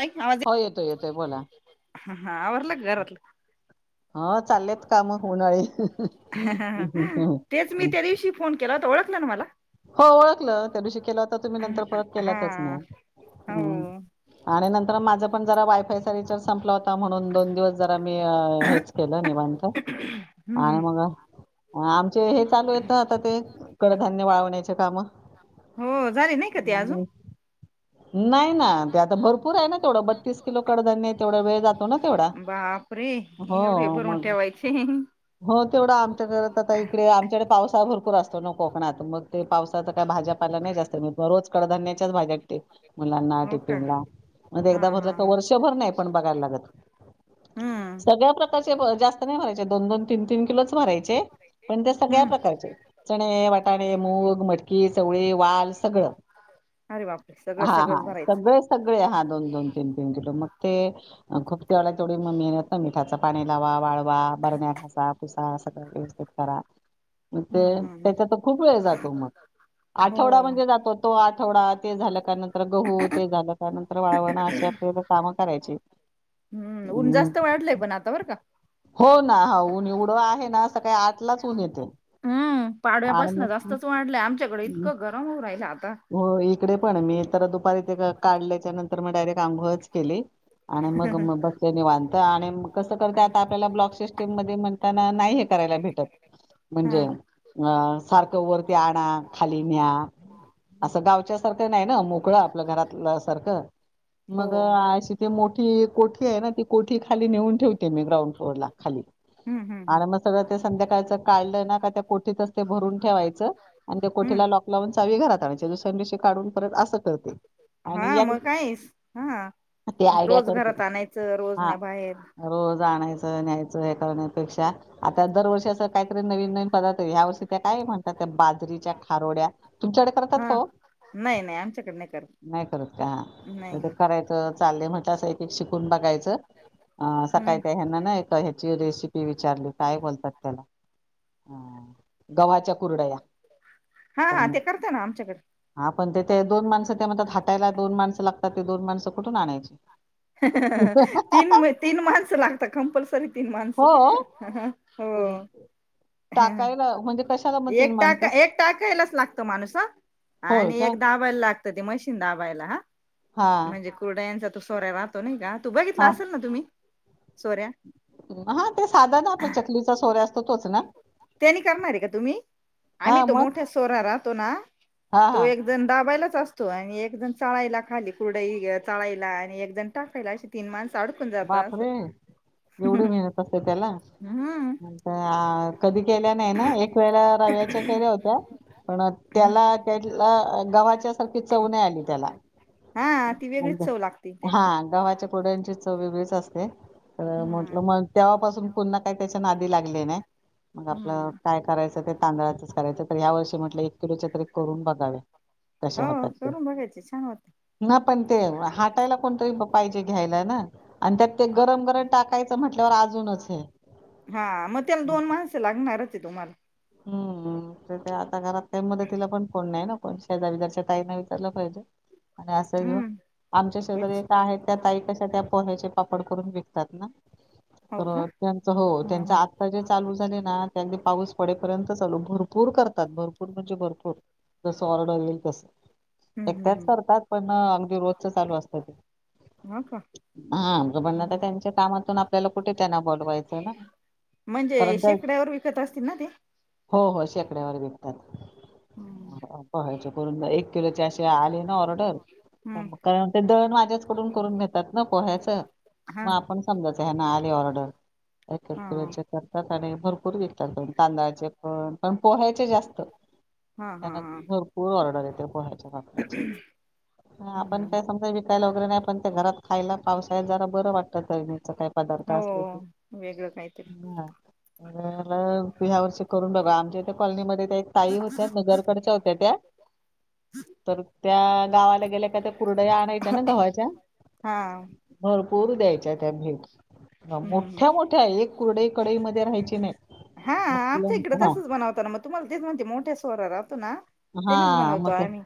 ऐक ना आवाज [unintelligible] हो येतोय येतोय बोल. हा हा आवरल का घरातल? हो चाललेत काम उन्हाळी [unintelligible] हा हा तेच मी त्यादिवशी फोन केलावता, ओळखल ना मला? हो ओळखलं त्या दिवशी केला होता तुम्ही नंतर परत केलातच हा नाई हम्म. हो आणि नंतर माझा पण जरा वायफायचा रिचार्ज संपलावता. म्हणून दोन दिवस जरा मी अ हेच केलं, निवांत आणि हम्म मग आमचे हे चालूहेत ना आता ते कडधान्य वाळवन. याच काम हो झाले नाही [unintelligible] का ते हम अजून नाही ना, ते आता भरपूर ना तेवढं बत्तीस किलो कडधान्य तेवढा वेळ जातो ना तेवढा. प्री, हो एवढे भरून मग ठेवायची. हो तेवढं आमच्या घरात आता इकडे आमच्याकडे पावसाळा भरपूर असतो ना कोकणात, मग ते पावसात काय भाज्या पाल्या नाही जास्त म रोज कडधान्याच्याच भाज्या देते मुलांना का टिफिन ला. म ते हा एकदा हा भरलं तर वर्षभर नाही पण बघायला लागत. हम्म. सगळ्या प्रकारचे भ जास्त नाही भरायचे, दोन-दोन, तीन-तीन किलोच भरायचे. पण ते सगळ्या हम्म प्रकारचे चणे, वाटाणे मूग, मटकी, चवळी, वाल सगळं. अरे बापरे सगळं हा.. हा. सगळंच भरायचं सगळंच सगळे हा, दोन-दोन, तीन-तीन किलो मग ते खूप तेवढं, तेवढी मग मी नुसता मिठाचा खडा पाणी लावा, वाळवा, बरण्या घासा, पुुसा सगळं व्यवस्थित करा. मग ते हम्म हम्म हम्म त्याच्यात तर, खूप वेळ जातो मग. हो आठवडा म्हणजे जातो तो आठवडा, ते झाला का नंतर गहू, ते झालं का नंतर वाळवण असे आपले मग कामं करायची. हम्म.. ऊन जास्त वाढलंय, पण आता बर का. हो ना, हो ऊन एवढं आहे ना सकाळी आठलाच ऊन येते. आणि मग तसं वाढलंय, आमच्याकडें हम्म. इतकं गरम होऊ राहिलं आता. हो इकडे पण, मी तर दुपारी ते काढल्याच्यानंतर, मग डायरेक्ट आंघोळंच केली. आणि मग म बसले निवांत आणि मग कसं करते, आता आपल्याला ब्लॉक सिस्टीम मध्ये म्हणतात नाही हे करायला भेटत, हा म्हणजे आ सारखं वरती आणा, खाली न्या. असं गाव च्या सारखं नाही ना, मोकळ आपलं घरातल्या सारखं. हो मग अशी ते मोठी कोठी आहे ना, ती कोठी खाली नेऊन ठेवते मी ग्राउंड फ्लोअरला खाली. हम्म हम्म हम्म आणि मग सगळं ते संध्याकाळचं काढलं ना, का त्या कोठीतच ते भरून ठेवायचं आणि त्या हम्म कोठीला लॉक लावून चावी घरात आणायची, दुसऱ्या दिवशी काढून परत असं करते. आणि हा, या मग काये हा, ते आयडिया रोज घरात करते आणायचं रोज हा न्या बाहेर. रोज आणायचं, न्यायचं हे करण्यापेक्षा आता दरवर्षी असं काहीतरी नवीन नवीन पदार्थ आहे. या वर्षी त्या काय म्हणतात त्या बाजरीच्या खारोड्या, तुमच्याकडे करतात हा का हो? नाही नाही आमच्याकडे नाही करत नाही करत का? तर नाही ते नाही करायचं चालले म्हटलं, असं एक-एक शिकून बघायचं. हम्म सकाळी काय ह्यांना नाही ते हेची रेसिपी विचारली, काय बोलतात त्याला अं.. गव्हाच्या कुरडया, हा करा हा मग. ते करता ना आमच्याकडे हा पण ते- ते दोन माणसं त्या म्हणतात, हाटायला दोन माणसं लागतात. ते दोन माणसं कुठून आणायची? तीन म तीन माणसं लागतात. कंपल्सरी तीन माणसं. कधी तर हा. एक माणसं टाकाय, एक टाकायलाच लागतो माणूस हा. होय आणि का एक दाबायला लागतं, ते मशीन दाबायला हा. हा म्हणजे कुर्ड्यांचा तो सोऱ्या राह तो नाही का? तू बघितला हा असेल ना तुम्ही, सोऱ्या? हा. ते साधा ना आपल्या चकलीचा सोऱ्या असतो, तोच ना? त्यानी करणार आहे का तुम्ही? आम्ही हा तो मग मोठ्या सोरा राहतो ना, हा तो हा एक जण दाबायलाच असतो आणि एक जण चाळायला खाली कुरडई चाळायला आणि एक जण टाकायला असे तीन तीन माणसं अडकून जाता असं, बापरे एवढी हम. हा कधी केल्या नाही ना एक वेळा रव्याच्या केल्या होत्या. पण त्याला त्यातला गव्हाच्याच सारखी चव नाही आली त्याला हा ती वेगळीच एकदा चव लागते हा त्याची गव्हाच्या कुरड्यांची चव वेगळीच असते अं म्हटलं हम्म मग तेव्हापासून पुन्हा काय त्याच्या नादी लागले नाही मग आपलं हम्म काय करायचं ते तांदळाचंच करायचं तर या वर्षी म्हटलं किलोच्या तरी करून बघाव्या कशा होत्या मग करून बघायचे छान वाटते. ना पण ते हटायला कोणतरी पाहिजे घ्यायला ना. अन त्यात ते गरम गरम टाकायचं म्हटल्यावर अजूनच हे. ते लागणारचे तुम्हाला. हम्म ते आता घरात काय मदतीला पण कोण नाही ना. कोण शेजार बिहारच्या ताईंना विचारलं पाहिजे आणि असं घेऊन हम्म आमच्या शेजारी विच एक आहेत. त्या ताई कशा त्या पोह्याचे पापड करून विकतात ना हो तर का त्यांच हो हा त्यांचं हा आ सजे चालू झाले ना त्यांनी पाऊस पडेपर्यंत चालू भरपूर करतात भरपूर म्हणजे भरपूर जसं ऑर्डर येईल तसं. हम्म हम्म एकट्याच हम्म करतात पण अगदी रोजचं चालू असतं ते. हा का हा हो पण आता हम्म. त्यांच्या कामातून आपल्याला कुठे त्यांना बोलवायचं ना कारण त्या पेत असतील ना ते हो हो शेकड्यावर विकतात हम्म पोह्याचे. करून एक किलोचे असे आले ना ऑर्डर हम्म कारण ते दळण माझ्याचकडून करून घेतात ना पोह्याचं हा मग आपण समजा त्या ह्यांना आली ऑर्डर एक एक हा किलोचे करतात आणि भरपूर विक तात तांदळाचे पण पण पोह्याचे जास्त हा हा त्यांना हा भरपूर ऑर्डर येते पोह्याच्या पापडाचे. हा पण हम्म काय समजा विकायला वगैरे नाही पण ते घरात खायला पावसाळ्यात जरा बरं वाटतं नेहमीचं काय पदार्थ हो असले तर वेगळं काहीतरी हा मग ह्या वर्षी करून बघा आमच्या इथं कॉलनीमध्ये त्या एक ताई होत्या नगरकडच्या होत्या त्या. तर त्या गावाला गेल्या का त्या कुरडया आणायच्या ना गव्हाच्या. हा भरपूर द्यायच्या त्या भेट हम्म हम्म हम्म. मोठ्या मोठ्या एक कुरडई कडई मध्ये राहायची नाही. हा मस्त आमच्या इकडं हां, तसंच बनवतात मग तुम्हाला म्हणते मोठ्या सोवरा राहतो ना तेनेच हां, बनवतो मग आम्ही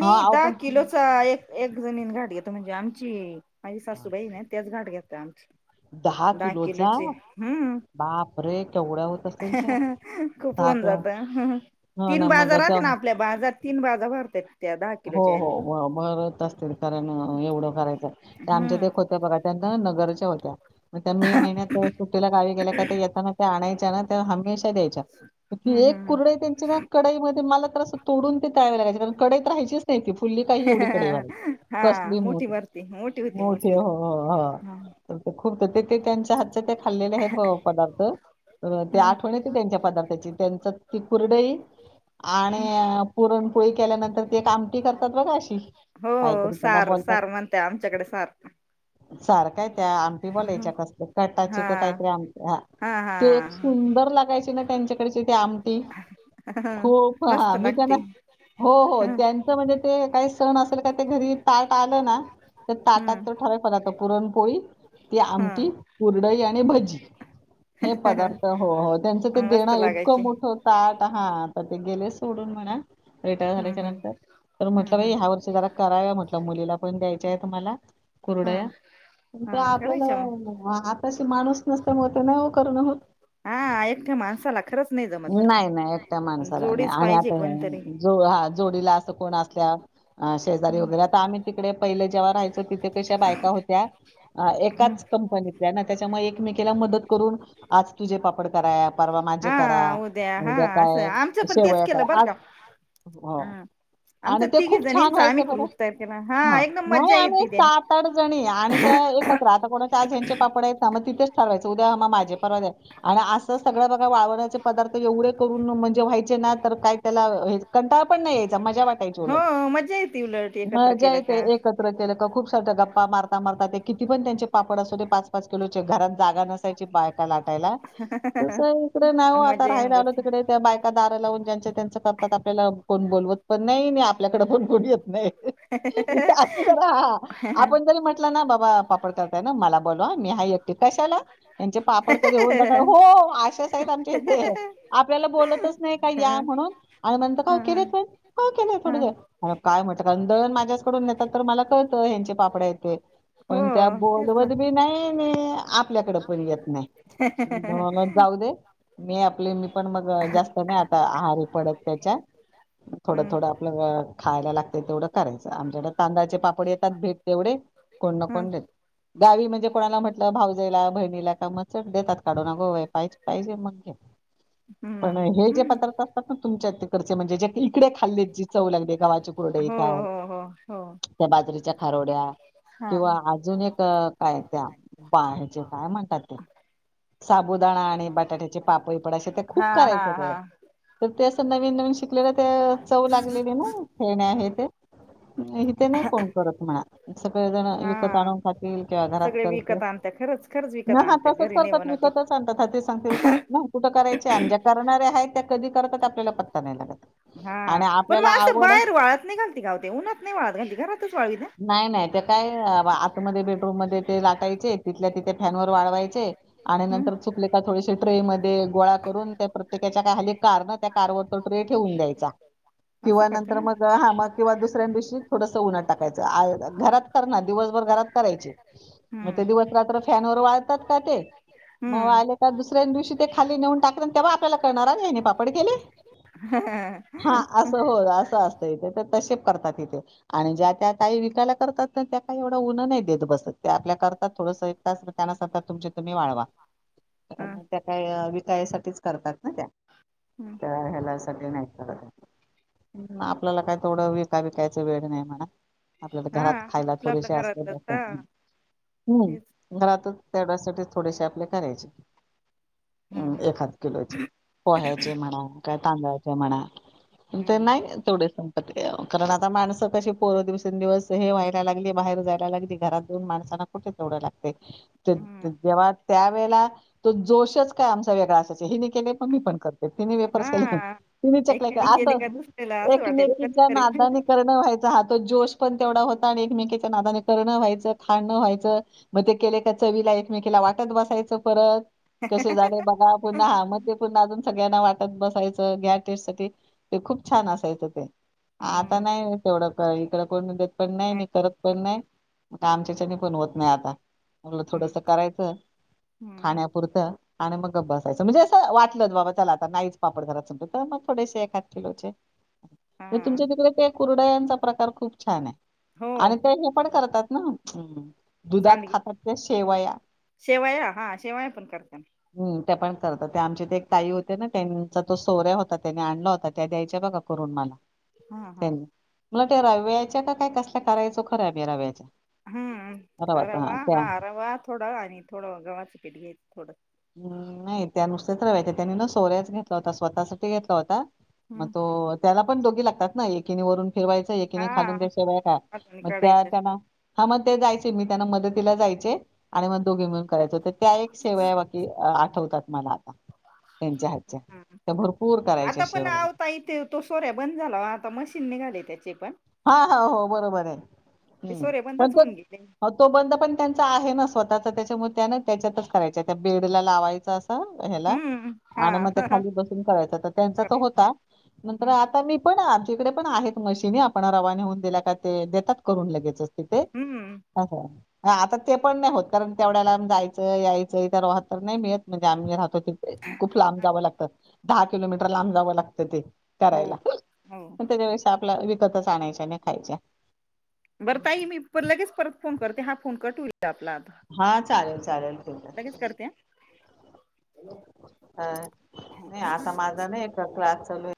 हां, अहो दहा पण किलोचा एक एक जणीनं घाट घेतो म्हणजे आमची माझी हां, सासूबाई ना तेच घाट घेतं आमची. दहा किलोचा किलोचे हम्म. बापरे! केवढ्या होत असेल त्या? खूप होऊन किलो जातं. हो तीन ना, मग बाजार राहते त्या ना आपल्या बाजार तीन बाजार भरते. हो हो भरत असतील कारण एवढं करायचं ते हम्म आमच्यात एक होत ते बघा त्यांना नगरच्या होत्या मग त्या मे महिन्यात सुट्टीला गावी गेल्या का ते येताना त्या आणायच्या ना त्या हमेशा द्यायच्या की हम्म एक हम्म हम्म. कुरडइ त्यांची ना कडईमध्ये मला तर असं तोडून ते तळाय लागयचे कारण कडईत ऱ्हाय चेच नाही ती फुल्ली काही एवढी कडई व्हा हा कसली मोठ मोठी भरती होती मोठी हो होती हो ह हो. खूप तर ते ते त्यांच्या हातच्या ते खाल्लेले आहेत पदार्थ तर ते हम्म आठवणीत ते त्यांच्या पदार्थाची त्यांच ती करडई आणि हम्म. पुरणपोळी केल्यानंतर ते आमटी करतात बघ अशी हो सार बोलतात. सार म्हणते आमच्याकडे सार सार काय त्या आमटी बोलायच्या कसल कटाची हा काहीतरी आमटी हा ते एक सुंदर लागायचे ना त्यांच्याकडचे ते आम टी हा खूप हा मस्त मी त्यांना लागते हो हो हम् त्यांचं म्हणजे ते काही सण असेल का ते घरी ताट आलं ना त्या ताटात हम्म तो ठवा तर पुरणपोळी ती आमची हम् कुरडई आणि भजी हे पदार्थ हो हो त्यांचं ते मस्त देणं इतकं लागायची मोठं हो ताट हा तर ते गेले सोडून म्हणा रिटायर हम्म झाल्याच्या हम्म नंतर तर हम्म म्हटलं बा हम्म ह्या वर्षी जरा कराव्या मुलीला पण आहेत मला कुरडाया हम्म पण त्या हा करायच्या मग आपल्याला हाताशी माणूस नसते मुळे ते नव करण होत. हा एकट्या माणसाला खरंच जमत बर का नाही नाही एकट्या माणसाला नाही जोडीच आणि पाहिजे आता कोणतरी हे जो हा जोडीला असं कोण असल्या शेजारी वगैरे आता आम्ही तिकडे पाहिल जेव्हा राहायचो तिथ काशया बायका होत्या हम्म एकाच कं सांगितल्या ना त्याच्या मग एकमेकला मदत करून आज तुझे पापड कराया - - परवा माझे करा हा हा उद्या असं काय आमचं पण तेच शेवया केलं करा बरं का आजकाय हो हम् आणि आमचा ते तिघी खूप छान जणींचा आम्ही व्हायचं बरं ग्रुप तयार केला हा ह एकदम नाही मज्जा आम्ही येते त्याने सात आठ जणी आणि त्या ऐक त आता कोणाचे आज ह्यांचे पापड आहेत ना मग च ठरवायं उद्या म माझे परवा त्याचे आणि असं सगळं बघा वाळवण्याचे पदार्थ एवढे करून म्हणजे व्हायचे ना तर काय त्याला कंटाळ पण नाही याचा [unintelligible] हो मज्जा येते उलट एकत्र माजा केलं येते का एक एकत्र केलं खूप सार गप्पा मारता मारता ते किती पण त्यांचे पापड असो ते पाच पाच किलोचे घरात जागा न त्याचया बायका लाटायला ह हह तस इकडे नाही आता राहायला आलो तिकडे त्या बायका दारा लावून ज्यांच्या त्यांच करतात आपल्याला कोण बोलवत- - पण नाही नाही आपल्याकडे कोण कोणी येत नाही ईथे असती हा हा आपण जरी म्हट- - म्हटलं ना बाबा पापड करताय ना मला बोलवा मी हा एकटी कशाला. यांचे पापड कधी होऊन जातात हो आस आहेत आमच्या इथे आपल्याला बोलतच नाही का या म्हणून आणि म्हणत का ह केलेत पण [inaudible] ह काय म्हणत दळण माझ्याकडून नेतात तर मला कळतं ह्यांचे पापड्या आहेते हो पण त्या तेच ना बोलवत बी नाही नी आपल्याकडे पण येत नाही. [unintelligible] जाऊ दे मी आपले मी पण मग जास्त नाही आता आहारी पडत त्याच्या थोडं हम्म थोडं आपलं खायला लागत तेवढं करायचं आमच्याकडे तांदळाचे पापड येतात भेट तेवढे कोण न हम्म कोण देत गावी म्हणजे कोणाला म्हटलं भाऊजईला बहिणीला का मग चट देतात काढू अग बाय काहीच पाहिजे पाहिजे मग घे [unintelligible] पण हम्म हे जे हम्म पदार्थ असतात ना तुमच्या तकडचे म्हणजे जे इकडे खाल्लेत जे चव लागते गव्हाची ची कुरडई हो काय हो हो हो त्या बाजरीच्या खारोड्या हा किंवा अजून एक काय त्या बाहे्याचे काय म्हण साबुदाणा आणि बटाट्याचे पापड बिबड ते हा खूप हा करायच हा तेव्हा तर ते असं नवीन नवीन शिकलेलं ते चव लागलेली ना हे ना हे ते इथ नाही कोण करत म्हणा इथं बेदाणे विकत हा आणून खातिल किंवा घरात सगळे करतील विकत आणता खरंच खरंच ह विकत हा आणता तसच घरी नाही करतात बनवती विकतच आणतात ह ते सांगतील. ना कुठं करायचे आणि ज्या करणारऱ्या आहेत त्या कधी करतात आपल्याला पत्ता नाही लागत हा आणि पण आपल्याला मग असं आवड आहे बाहेर वाळत नाही घालते का वो ते उन्हात नाही वाळत घालती घरातच वाळवी ता ना. नाही नाही ते काय आतमध्ये बेडरूम मध्ये ते लाटायचे तिथल्या तिथे फॅन वर वाळवायचे आणि हम्म नंतर च आपल्या का थोडेसे ट्रे मध्ये गोळा करून त्या प्रत्येकाच्या काय खाली कार ना त्या कार वर तो ट्रे ठेवून द्यायच. असं किंवा करते नंतर का मग हा मग किंवा दुसऱ्यां दिवशी थोडसं उन्हात टाकायचं, घरात करनार, दिवसभर घरात करायची मग ते हम्म दिवस रात्र फॅन वर वाळतात का ते मग हम्म वाळले का मग दुसर दुसऱ्या दिवशी ते खाली नेऊन टाकल तेव्हा आपल्याला कळंणार अरे यानी पापड केले. [unintelligible] हा असं हो असं असतं इथे तर तसे करतात इथे. आणि ज्या त्या काही विकायला करतात ना त्या काही एवढं उनं नाही देत बसत ते आपल्या करतात थोडसं त्यांना सतत तुमच तुम्ही वाळवा. [unintelligible] त्या काय विकाय साठीच करतात ना त्या? हम्म. स्वतःसाठी नाही करत. आपल्याला काय थोड विकाय बिकायचं वेड नाही म्हणा आपल्याला हा घरात खायला आपलं आपलं थोडेसे असले घरातलंच [unintelligible] हा तेच हम्म घरातच तेवढ्यासाठी थोडेशे आपले करायचे. हम्म एखाद किलोचे पोह्याचे म्हणा तांदळाचे म्हणा [unintelligible] हम्म तेवढास [inaudible] कारण आता माणसं कशी पोर दिवसेंदिवस हे व्हायला लागली बाहेर जायला लागली घरात जाऊन माणसांना कुठ तेवढ लागतंय त द जेव्हा त्यावेळेला तो जोशच काय आमचा वेगळा असायचा हेनी केलय मग मी पण कर तिन्ही वेपर्स केले हा तिन्ही चकले एकाने केले आता का दुसऱ्याला असं वाटेल कधी एकमेकीच्या तरी नादानी कर व्हायचं हा तो जोश पण तेवढा होता आणि एकमेकच्या नादान करणं व्हायचं खाणं व्हायचं मग ते केलय त्या चवीला एक मेकिला वाटत बसायचं परत. कसे झालयं बघा पुन्हा हा मग ते पुन्हा अजून सगळ्यांना वाटत बसायचं घ्या टेस्ट साठी ते खूप छान असायचं ते आता हम्म नाही तेवढं काई इकडं कोण देतं पण नाही आणि करत पण नाई आमच्याच्यांनी पण होत नाही आता मला थोडस हम्म करायचं हम्म खाण्या पुरतं आणि मग गप्प बसायचं म्हणजे आस वाटलाच बाबा चला आत्ता नाहीच पापड करायचे तर मग थोडेसे एखाद किलोचे. तुमच्या हा तिकडे ते कुरुडयांचा प्रकार खूप छान हाय. हो आणि ते हे पण करतात ना दुधात सांडगी खातात त्या शेवया शेवया हा शेवया पण करताना हम ते पण करतात ते आमच्या इथ एक ताई होत्या ना त्यांचा तो सौर्या होता त्यानं आणला होता तर त्या द्यायच्या बघा करून मला हा हा त्यानं मला ते रव्याच्या का काय कसल्या करायचो खर मी रव्याच्या हम् रवाचा रवा हां त्या. हा रवा थोड आणि थोड घवाचं पीठ घ्यायचं थोड. हम नाही त्या नुसत्याच रव्याच् त्यांनी न सोऱ्याच घेतला होता स्वतःसाठी घेतला होता मग हम्म तो त्याला पण दोघी लागतात ना एकीने वरून ठेवाय एकीने हा खालून ते शेवया गालायच्या अजून मग त्या काढायचं त्यांना हा मग ते जायचे मी त्यांना मदतीला जायचे आणि मग दोघी मिळून करायचो तर त्या एक शेवया की आठवतात मला आता त्यांच्या हातच्या ह त्या भरपूर करायच्या आता पण शेवया. आवताई ते तो सोऱ्या बंद झाला वो आता, मशीन निघाले त्याचे पण. हा, हा, हो. बरोबर हाय ते हूं.. सोरे पण बंदच होऊन गेले तो तो बंद पण, त्यांचा आहे ना स्वतःचा त्याच्यामुळे त्या नाही त्याच्यातच करायच्या, त्या बेडला लावायचा असं आ हेला हम्म हा आणि मग ते हा खाली बसून करायच्या, तर त्यांचा तो करायचं. होता नंतर हम्म आता मी पण आमच्या हिकडे पण आहेत मशीन्या पण रवा नेहुन दिला का ते देतात करून लगेचच तिथे. हूं.. अस हा आता ते पण नाही होतं, कारण तेवढ्या लांब जायचंय- यायचय तर वाहन तर नाही मिळत म्हणजे आम्हीं राहतो तिथे खूप लांब जाव लागतं, धा किलोमीटर लांब जावं लागतं ते. हो करायला हो मग त्याच्या पेक्षा आपलं विकतच आणायच्या आणि खायच्या. बरं ताई मी लगेच परत फोन करते, हा फोन कट होईल आपलं आता. हा, चालेल चालेल. ठीक लगेच करते, हं... ह नाई आता माझा नाई का क्लास चालू हाय.